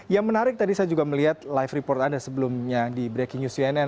yang menarik tadi saya juga melihat live report anda sebelumnya di breaking news cnn